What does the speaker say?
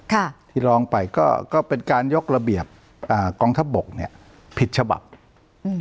ค่ะที่ร้องไปก็ก็เป็นการยกระเบียบอ่ากองทัพบกเนี้ยผิดฉบับอืม